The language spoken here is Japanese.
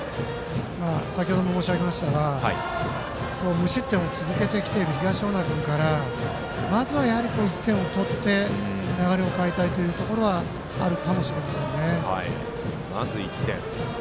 先程も申し上げましたが無失点を続けてきている東恩納君からまず、やはり１点を取って流れを変えたいところがあるかもしれませんね。